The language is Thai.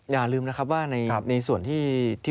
อย่าลืมนะครับว่าในส่วนที่